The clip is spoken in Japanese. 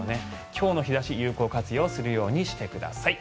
今日の日差しを有効活用するようにしてください。